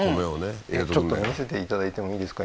ちょっと見せていただいてもいいですか？